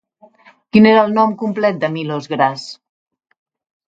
Quin era el nom complet de Milós Gras?